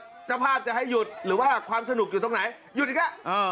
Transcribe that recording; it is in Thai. เจ้าภาพจะให้หยุดหรือว่าความสนุกอยู่ตรงไหนหยุดอีกแล้ว